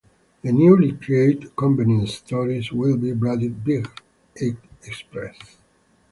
The newly created convenience stores will be branded Big Y Express.